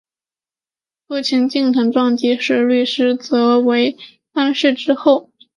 父亲近藤壮吉是律师则为藩士之后。